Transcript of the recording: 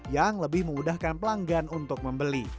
yang lebih memudahkan pelanggan untuk membeli